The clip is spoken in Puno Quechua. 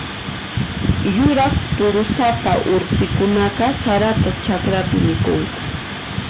Yuraq phurusapa urpikunaqa sarata chakrapi mikhunku.